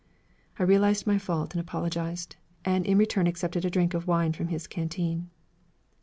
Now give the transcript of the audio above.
I realized my fault and apologized, and in return accepted a drink of wine from his canteen.